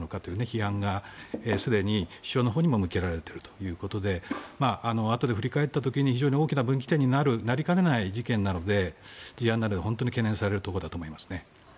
批判がすでに首相のほうにも向けられているということで後で振り返った時に非常に大きな分岐点になりかねない事案なので本当に懸念されるところだと思います。